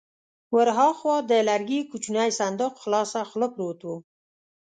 ور هاخوا د لرګي کوچينی صندوق خلاصه خوله پروت و.